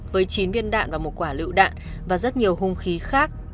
với chín viên đạn và một quả lựu đạn và rất nhiều hung khí khác